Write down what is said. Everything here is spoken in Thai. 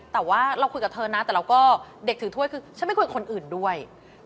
แต่ว่าเราคุยกับเธอนะแต่เราก็เด็กถือถ้วยคือฉันไม่คุยกับคนอื่นด้วย